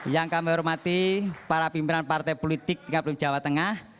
yang kami hormati para pimpinan partai politik jawa tengah